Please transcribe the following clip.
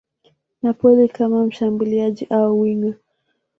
Napoli kama mshambuliaji au winga.